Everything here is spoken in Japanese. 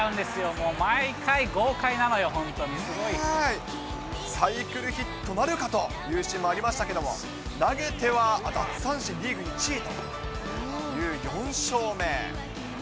もう毎サイクルヒットなるかというシーンもありましたけども、投げては奪三振リーグ１位という４勝目。